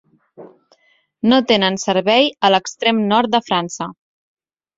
No tenen servei a l'extrem nord de França.